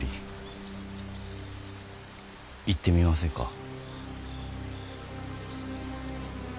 行ってみませんか。